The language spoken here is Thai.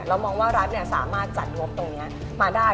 มองว่ารัฐสามารถจัดงบตรงนี้มาได้